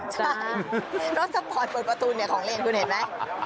ใช่รถสปอร์ตเปิดประตูเนี่ยของเล่นคุณเห็นไหม